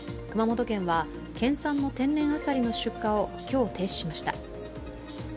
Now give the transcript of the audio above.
熊本県は県産の天然あさりの出荷を今日、停止しました。